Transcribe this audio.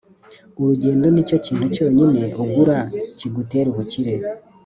urugendo nicyo kintu cyonyine ugura kigutera ubukire.